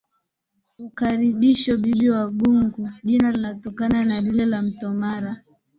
Ukaribisho Bibi Wabungu Jina linatokana na lile la mto Mara